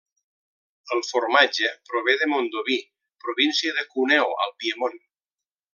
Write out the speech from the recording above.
El formatge prové de Mondovì, província de Cuneo al Piemont.